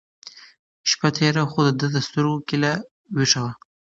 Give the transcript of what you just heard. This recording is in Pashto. شپه تېره وه خو د ده په سترګو کې لا وېښه وه.